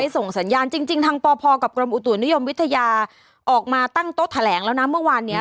ส่งสัญญาณจริงทางปพกับกรมอุตุนิยมวิทยาออกมาตั้งโต๊ะแถลงแล้วนะเมื่อวานเนี้ย